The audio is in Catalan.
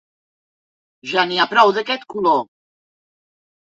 Ja n'hi ha prou d'aquest color!